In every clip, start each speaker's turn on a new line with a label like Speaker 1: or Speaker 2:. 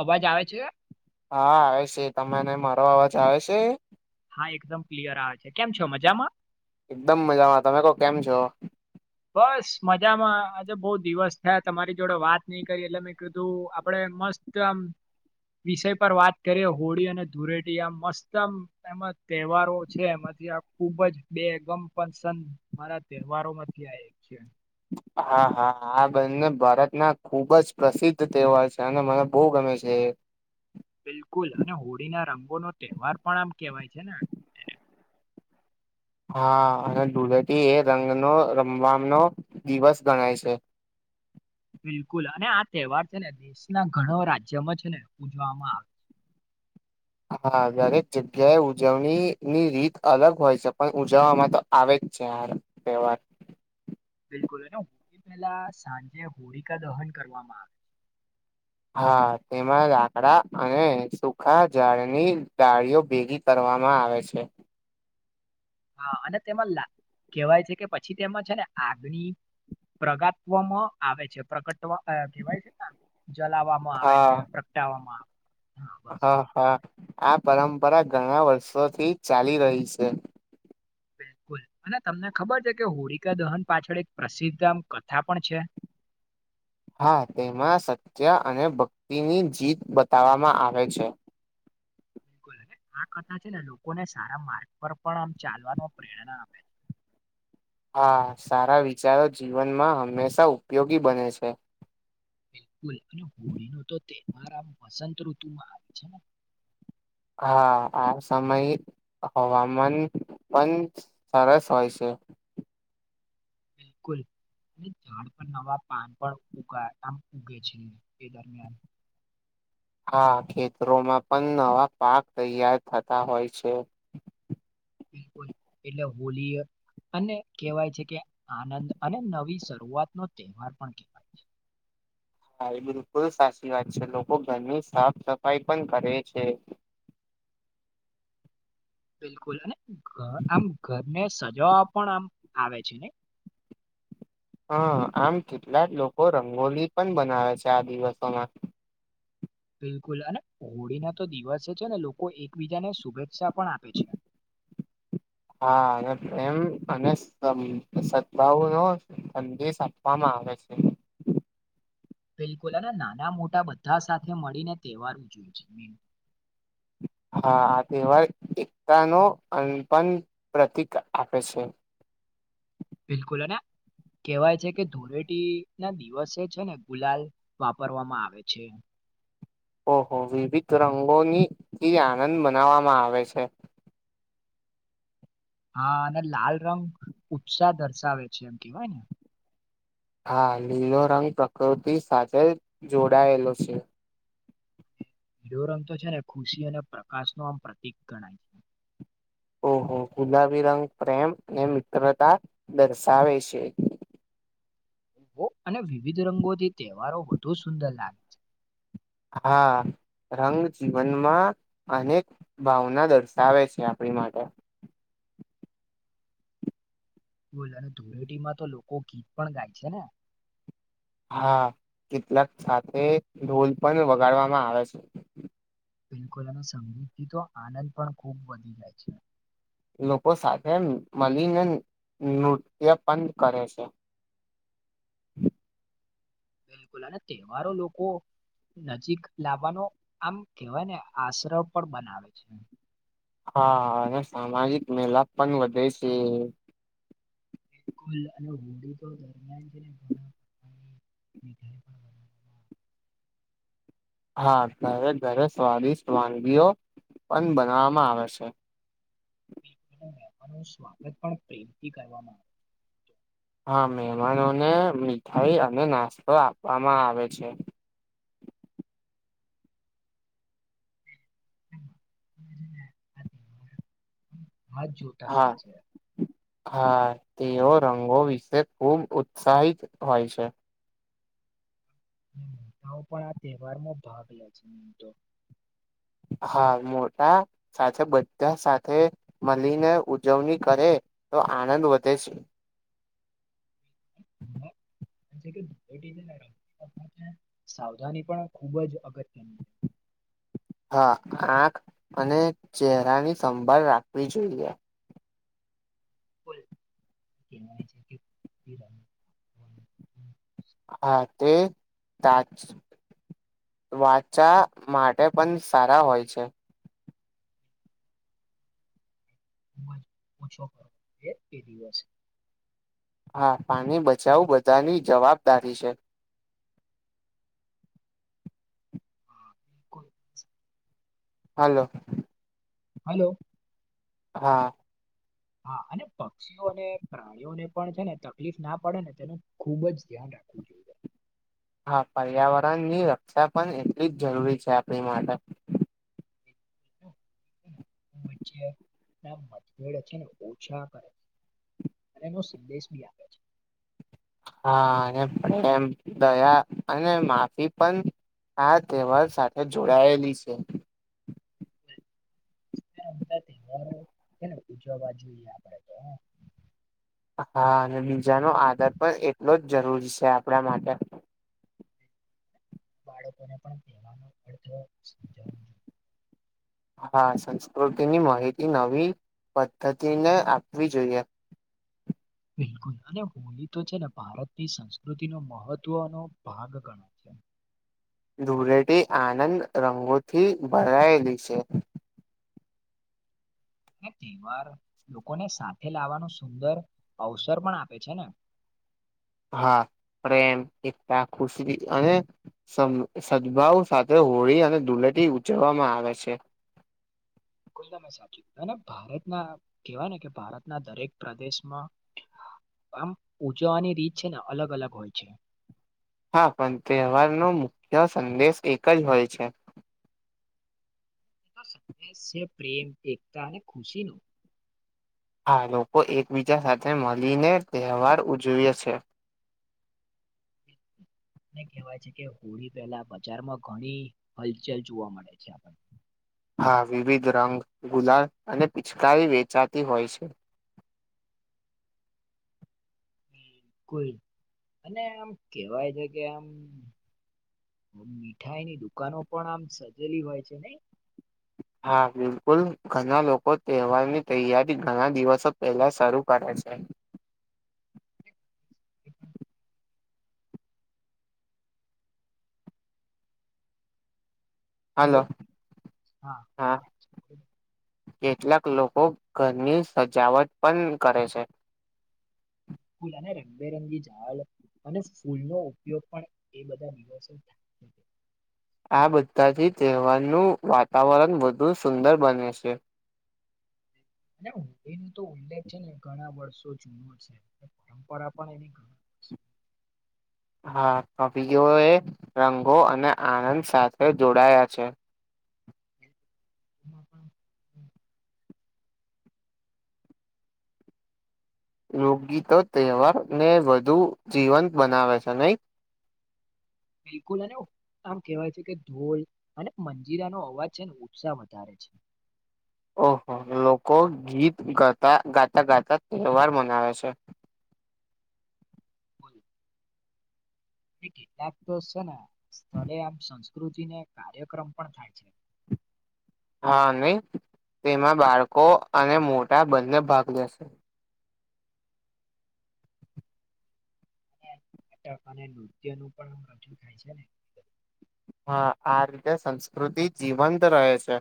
Speaker 1: અવાજ આવે છે?
Speaker 2: હા આવે છે તમને મારો અવાજ આવે છે?
Speaker 1: હા એકદમ ક્લિયર આવે છે કેમ છો મજામાં?
Speaker 2: એકદમ મજામાં તમે કો કેમ છો?
Speaker 1: બસ મજામાં આજે બહુ દિવસ થયા તમારી જોડે વાત નહી કરી એટલે મેં કીધું આપડે મસ્ત ચમ વિષય પર વાત કરીએ હોળી અને ધુળેટી આ મસ્તમ એમાં તહેવારો છે એમાં ખુબ જ બેગમ પણ સન મારા તહેવારોમાંથી છે.
Speaker 2: હા
Speaker 1: હોળી.
Speaker 2: હા હા. બંને ભારતના ખુબ જ પ્રસિદ્ધ તહેવાર છે અને મને બહુ ગમે છે એ.
Speaker 1: બિલકુલ અને હોળી ના રંગોનો તહેવાર પણ આમ કેહેવાય છે ને.
Speaker 2: હા અને ધુલેટી એ રંગનો રમવાનો દિવસ ગણાય છે.
Speaker 1: [inaudible] બિલકુલ અને આ તહેવાર છે ને દેશના ઘણ રાજ્યમાં છે ને પૂજવામાં આવે છે.
Speaker 2: હા દરેક જગ્યાએ ઉજવણી ની રીત અલગ હોય છે પણ ઉજવવામાં તો આવે જ. છે આ તહેવાર.
Speaker 1: [inaudible] બિ પેલા સાંજે હોળિકા દહન કરવામાં આવે છે.
Speaker 2: હા તેમાં લાકડા અને સુખા ઝાળની ડાળીઓ ભેગી કરવા વામાં આવે છે.
Speaker 1: હા અને તેમાં કેહેવાય છે કે પછી તેમાં છે ને આગ્નડી પ્રગાત્વામાં આવે છે પ્રગટ કેહેવાય છે ને જલાવવામાં આવે
Speaker 2: હા
Speaker 1: છે પ્રગટાવામાં આવે
Speaker 2: હા હા આ પરંપરા ઘણા વર્ષોથી ચાલી રહી છે
Speaker 1: બિલકુલ અને તમને ખબર છે કે હોળિકા દહન પાછળ એક પ્રસિદ્ધ આમ કથા પણ છે [inaudible]
Speaker 2: હા તેમાં સત્ય અને ભક્તિની જીત બતાવવામાં આવે છે
Speaker 1: બિલકુલ અને આ કથા છે ને લોકોને સારા માર્ગ પર પણ આમ ચાલવાનો પ્રેરણા આપે છે [inaudible]
Speaker 2: હા સારા વિચારો જીવનમાં હંમેશા ઉપયોગી બને છે
Speaker 1: બિલકુલ અને હોળી નો તો તહેવારમ વસંત ઋતુમાં આવી છે ને
Speaker 2: હા આ સમય હવામાન પણ સરસ હોય છે
Speaker 1: [inaudible] બિલકુલ અને ઝાડ પર નવા પાન પણ ઉગે આમ ઉગે છે એ દરમિયાન
Speaker 2: આ ખેતરોમાં પણ નવા પાક તૈયાર થતા હોય છે
Speaker 1: બિકુલ એટલે હોલી અને કહેવાય છે કે આનંદ અને નવી શરૂઆત નો તહેવાર પણ કેહેવાય છે
Speaker 2: હા એ બિલકુલ સાચી વાત છે લોકો ઘરની સાફ સફાઈ પણ કરે છે
Speaker 1: [inaudible] બિલકુલ અને આમ ઘરને સજાવવા પણ આમ આવે છે ને
Speaker 2: હ આમ કેટલાક લોકો રંગોલી પણ બનાવે છે આ દિવસોમાં
Speaker 1: [inaudible] બિલકુલ અને હોળી ના તો દિવસે છે ને લોકો એકબીજાને શુભેચ્છા પણ આપે છે [inaudible]
Speaker 2: હા અને એમ અને સદભાવ નો સંદેશ આપવામાં આવે છે.
Speaker 1: [inaudible] બિલકુલ અને નાના મોટા બધા સાથે મળીને તહેવારું જોઈ છે [inaudible]
Speaker 2: હા આ તહેવાર એકતાનો અનપ પ્રતિક આપે છે
Speaker 1: બિલકુલ અને કહેવાય છે કે ધૂળેટી ના દિવસે છે ને ગુલાલ વાપરવામાં આવે છે
Speaker 2: ઓહો વિવિધ રંગોની એ આનંદ મનાવવામાં આવે છે
Speaker 1: હા અને લાલ રંગ ઉત્સાહ દર્શાવે છે એમ કવાય ને
Speaker 2: હા લીલો રંગ પ્રકૃતિ સાથે જોડાયેલો છે
Speaker 1: લીલો રંગ તો છે ને ખુશી અને પ્રકાશ ન આમ પ્રતિક ગણાય છે
Speaker 2: ઓહો ગુલાબી રંગ પ્રેમ અને મિત્રતા દર્શાવે છે
Speaker 1: [inaudible] [unintelligible] અને વિવિધ રંગોથી તહેવારો વધુ સુંદર લાગે છે.
Speaker 2: હા. રંગ જીવનમાં અનેક ભાવના દર્શાવે છે આપણી માટે.
Speaker 1: [inaudible] અને ધુડેટીમાં તો લોકો ગીત પણ ગાય છે ને.
Speaker 2: હા કેટલાક સાથે ઢોલ પણ વગાડવામાં આવે છે.
Speaker 1: બિલકુલ અને સંગીતથી તો આનંદ પણ ખૂબ વધી જાય છે.
Speaker 2: લોકો સાથે મલીનેન નૃત્ય પન કરે છે.
Speaker 1: [inaudible] બિલકુલ અને તહેવારો લોકો નજીક લાવવાનો આમ કેહેવાય ને આશ્રવ પણ બનાવે છે.
Speaker 2: હા અને સામાજિક મેલા પન વધે છે.
Speaker 1: બિલકુલ અને હોડી તો દરમિયાન [unintelligible] [unintelligible]
Speaker 2: હા તારે ઘરે સ્વાદિષ્ટ વાનગીઓ પણ બનાવામાં આવે છે.
Speaker 1: [unintelligible] સ્વાગત પણ પ્રેમથી કરવામાં આવે
Speaker 2: મેહમાનોને મીઠાઈ અને નાસ્તો આપવામાં આવે છે.
Speaker 1: [inaudible] [unintelligible] જ જોતા
Speaker 2: હા
Speaker 1: હોય છે.
Speaker 2: હા તેઓ રંગો વિશે ખુબ ઉત્સાહિત હોય છે.
Speaker 1: [unintelligible] પણ આ તહેવાર માં ભાગ લે છે. તો
Speaker 2: હા મોટા સાથે બધા સાથે મલીને ઉજવની કરે તો આનંદ વધે છે.
Speaker 1: [unintelligible] [unintelligible] સાવધાની પણ ખુબ જ અગ
Speaker 2: હા આંખ અને ચેહરાની સંભાળ રાખવી જોઈએ.
Speaker 1: બોલ [unintelligible]
Speaker 2: હા તે તા જ વાચા માટે પન સારા હોય છે.
Speaker 1: ખુબજ ઓછો કરો એ એ દિવસે
Speaker 2: હા પાણી બચાવું બધાની જવાબદારી છે.
Speaker 1: [inaudible]
Speaker 2: હાલો.
Speaker 1: હાલો.
Speaker 2: હા.
Speaker 1: હા અને પક્ષીઓ અને પ્રાણીઓને પણ છે ને તકલીફ ના પડે ને તેનું ખુબ જ ધ્યાન રા ખવું જોઈએ.
Speaker 2: હા પર્યાવરણની રક્ષા પણ એટલી જ જરૂરી છે આપણી માટે.
Speaker 1: [unintelligible] છે ને ઓછા કરે છે. અને એનો સંદેશ બી આપે છે.
Speaker 2: હા અને એમ દયા અને માફી પન આ તેવાર સાથે જોડાયેલી છે.
Speaker 1: છે [unintelligible] તહેવારો છે ને ઉજવવા જોઈએ આપડે તો
Speaker 2: હા અને બીજાનો આદાર પણ એટલો જ જરૂરી છે આપણા માટે.
Speaker 1: બાળકોને પણ કહેવાનો અર્થ સમજાવું જોઈએ.
Speaker 2: હા સંસ્કૃતિની માહિતી નવી પદ્ધતિને આપવી જોઈએ.
Speaker 1: બિલકુલ અને હોલી તો છે ને ભારતની સંસ્કૃતિ નો મહત્વનો ભાગ ગણાય છે. [inaudible]
Speaker 2: ધૂરેટી આનંદ રંગોથી ભરાયેલી છે.
Speaker 1: ને તેવાર લોકોને સાથે લાવવાનું સુંદર અવસર પણ આપે છે ને. [inaudible]
Speaker 2: હા. પ્રેમ એકતા ખુશી અને સમ સદભાવ સાથે હોળી અને ધૂલે ટી ઉજવવામાં આવે છે.
Speaker 1: [unintelligible] અને ભારતના કેવાય ને કે ભારતના દરેક પ્રદેશમાં આમ ઉજવવાની રીત છે ને અલગ અલગ હોય છે.
Speaker 2: હા પણ તહેવારનો મુખ્ય સંદેશ એક જ હોય છે.
Speaker 1: એતો સંદેશ છે પ્રેમ એકતા અને ખુશી નો
Speaker 2: હા લોકો એકબીજા સાથે મળીને તહેવાર ઉજવે છે.
Speaker 1: હ ને કહેવાય છે કે હોળી પહેલા બજારમાં ઘણી હલચલ જોવા મળે છે.
Speaker 2: હા વિવિધ રંગ ગુલાલ અને પિચકારી વેચાતી હોય છે.
Speaker 1: ની કોઈ અને આમ કેવાય છે, કે આમ મીઠાઈની દુકાનો પણ આમ સજેલી હોય છે, ને
Speaker 2: હા બિલકુલ ઘણા લોકો તહેવારની તૈયારી ઘણા દિવસો પહેલા શરૂ કરે છે.
Speaker 1: [inaudible] [inaudible] હેલો
Speaker 2: હલો
Speaker 1: હા.
Speaker 2: કેટલાક લોકો ઘરની સજાવટ પણ કરે છે.
Speaker 1: ફૂલ અને રંગબેરંગી ઝાલ અને ફૂલનો ઉપયોગ પણ એ બધા દિવસ થા [inaudible]
Speaker 2: આ બધાથી તહેવારનું વાતાવરણ વધુ સુંદર બને છે.
Speaker 1: અને એમ તો ઉલ્લેખ છે, ને ઘણા વર્ષો જૂનો છે, પરંપરા પણ એની ધ [inaudible]
Speaker 2: હા કવિઓ એ રંગો અને આનંદ સાથે જોડાયા છે.
Speaker 1: મ પણ હ
Speaker 2: લોગગીતો તહેવારને વધુ જીવંત બનાવે છે, નહી?
Speaker 1: બિલકુલ અને આમ કેહેવાય છે, કે ધોલ અને મંજીરાનો અવાજ છે ઉત્સાહ વધારે છે. હ
Speaker 2: ઓહ [unintelligible] લોકો ગીત ગતા ગાતા ગાતા તહેવાર મનાવે છે.
Speaker 1: [unintelligible] કેટલાક તો છેને સ્થલે આમ સંસ્કૃતિને કાર્યક્રમ પણ થાય છે. [inaudible]
Speaker 2: હા નહી તેમાં બાળકો અને મોટા બંને ભાગ લેશે
Speaker 1: અને ટ અને નૃત્ય નું પણજ ખાય છે, ને
Speaker 2: હા આ રીતે સંસ્કૃતિ જીવંત રહે છે.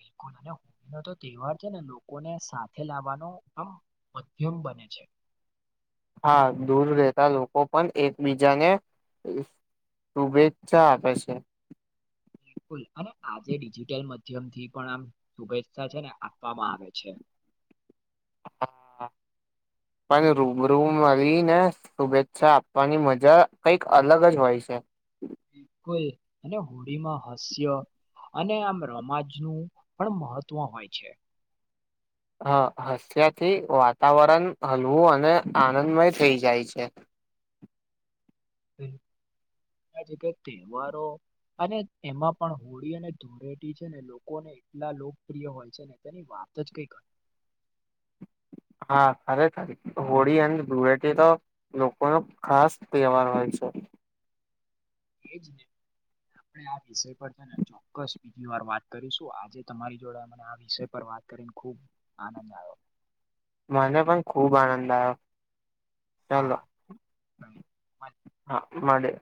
Speaker 1: બિલકુલ અને હોળનો તો તહેવાર છે, ને લોકોને સાથે લાવવાનો આમ મધ્યમ બ બને છે.
Speaker 2: હા દૂર રહેતા લોકો પણ એકબીજાને શુભેચ્છા આપે છે.
Speaker 1: બિલકુલ અને આજે ડિજિટલ માધ્યમથી પણ આમ શુભેચ્છા છે, આપવામાં આવે છે. [inaudible]
Speaker 2: હા. પણ રૂબરૂ મળીને શુભેચ્છા આપવાની મજા કઈક અલગ જ હોય છે.
Speaker 1: બીલકુલ અને હોડીમાં હસ્ય અને આમ રમાજ નું પણ મહત્વ હોય છે.
Speaker 2: હ હસ્યાથી વાતાવરણ હલવું અને આનંદમય થઈ જાય છે.
Speaker 1: [inaudible] એ આ જગ તહેવારો અને એમાં પણ હોળી અને ધોડેટી છે, ને લોકોને એટલા લોકપ્રિય હોય છે, ને તેની વા વાત જ કઈક
Speaker 2: હા ખરેખર હોળી અને ધુળટી તો લોકો નો ખાસ તહેવાર હોય છે.
Speaker 1: એજ ને આપણે આ વિષય પર છે, ચોક્કસ બીજી વાર વાત કરીશું આજે તમારી જોડે મને આ વિષય પર વાત વાત કરીને ખૂબ આનંદ આયો
Speaker 2: મને પણ ખુબ આનંદ આયો
Speaker 1: હા.
Speaker 2: હા મળે